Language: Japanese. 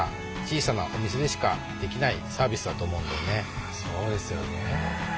ああそうですよね。